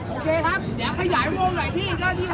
โอเคครับเดี๋ยวขยายโวงหน่อยพี่